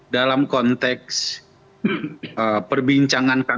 dalam konteks perbincangan